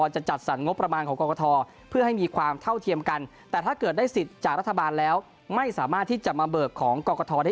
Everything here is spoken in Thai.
จะจัดสรรงบประมาณของกรกฐ